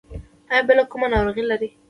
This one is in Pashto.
ایا بله کومه ناروغي لرئ؟